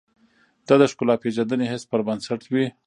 دا د ښکلا پېژندنې حس پر بنسټ وي.